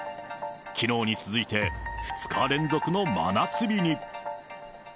きのうに続いて、２日連続の真夏日に。